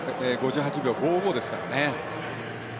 ５８秒５５ですからね。